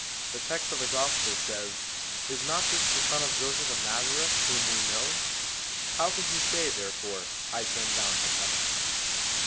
The text of the Gospel says, 'Is not this the son of Joseph of Nazareth whom we know ? How can he say therefore, I came down from heaven